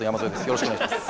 よろしくお願いします。